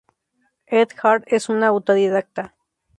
Ed Hart es un autodidacta.